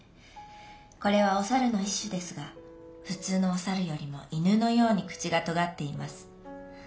これはお猿の一種ですが普通のお猿よりも犬のように口がとがっています。